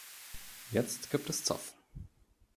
Jetzt gibt es Zoff.